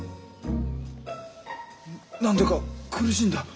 何だか苦しいんだ。